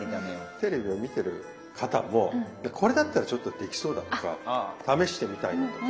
テレビを見てる方もこれだったらちょっとできそうだとか試してみたいだとか。